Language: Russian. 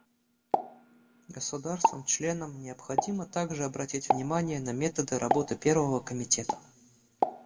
Государствам-членам необходимо также обратить внимание на методы работы Первого комитета.